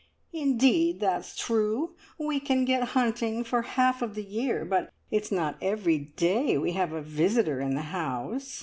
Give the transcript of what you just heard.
"Indeed that's true! We can get hunting for half of the year, but it's not every day we have a visitor in the house.